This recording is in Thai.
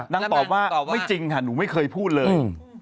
ตอบว่าไม่จริงค่ะหนูไม่เคยพูดเลย